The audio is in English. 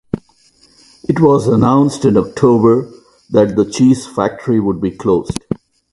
It was announced in October that the cheese factory would be closed.